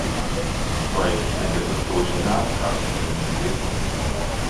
Vai Jūs negribat uzzināt, kas viņš ir?